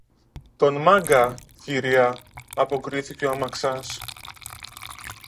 Τον Μάγκα, Κυρία, αποκρίθηκε ο αμαξάς